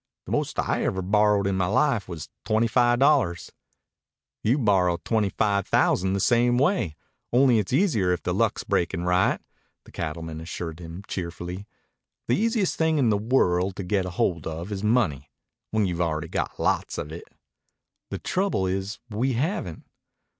"The most I ever borrowed in my life was twenty five dollars." "You borrow twenty five thousand the same way, only it's easier if the luck's breakin' right," the cattleman assured him cheerfully. "The easiest thing in the world to get hold of is money when you've already got lots of it." "The trouble is we haven't."